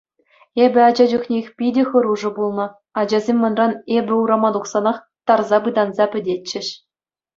Эпӗ ача чухнех питӗ хӑрушӑ пулнӑ, ачасем манран эпӗ урама тухсанах тарса пытанса пӗтетчӗҫ.